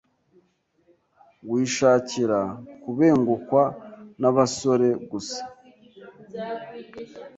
wishakira kubengukwa nabasore gusa